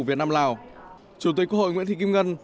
việt nam lào chủ tịch quốc hội nguyễn thị kim ngân